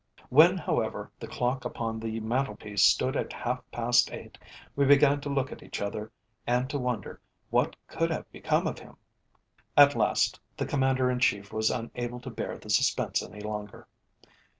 When, however, the clock upon the mantel piece stood at half past eight, we began to look at each other and to wonder what could have become of him. At last the Commander in Chief was unable to bear the suspense any longer.